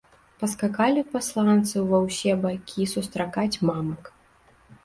Паскакалі пасланцы ўва ўсе бакі сустракаць мамак.